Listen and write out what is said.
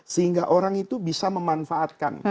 sehingga orang itu bisa memanfaatkan